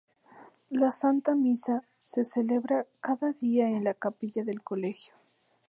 La Santa Misa se celebra cada día en la Capilla del Colegio.